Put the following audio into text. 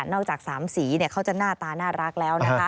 นอกจากสามสีเขาจะหน้าตาน่ารักแล้ว